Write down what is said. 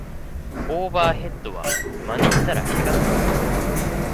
オーバーヘッドはまねしたらケガするぞ